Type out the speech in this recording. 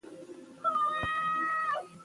خو هغه ظلم ور سره قبوله نه کړه.